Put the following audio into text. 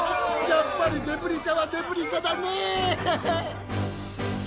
やっぱりデブリ課はデブリ課だね！